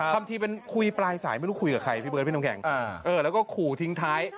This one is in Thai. ทำทีเป็นคุยปลายสายไม่รู้คุยกับใครพี่เบิร์พี่น้ำแข็งแล้วก็ขู่ทิ้งท้าย